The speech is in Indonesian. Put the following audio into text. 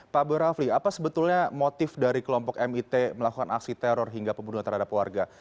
pak boy rafli apa sebetulnya motif dari kelompok mit melakukan aksi teror hingga pembunuhan terhadap warga